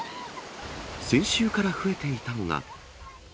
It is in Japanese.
先週から増えていたのが。